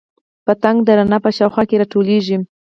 پتنګ د رڼا په شاوخوا راټولیږي